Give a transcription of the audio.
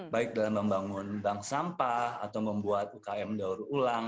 baik dalam membangun bank sampah atau membuat ukm daur ulang